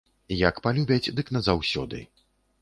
Як палюбяць, дык назаўсёды.